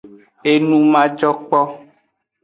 Enu majokpo.